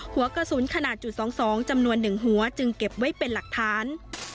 หัวกระสุนขนาดจุด๒๒จำนวน๑หัวจึงเก็บไว้เป็นหลักฐาน